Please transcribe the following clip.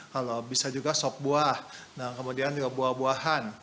kalau bisa juga sop buah kemudian juga buah buahan